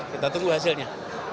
kita tunggu hasilnya